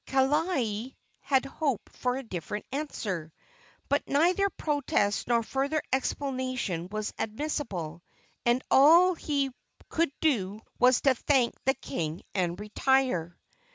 Kaaialii had hoped for a different answer; but neither protest nor further explanation was admissible, and all he could do was to thank the king and retire.